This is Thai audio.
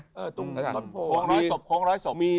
ของร้อยศพของร้อยศพ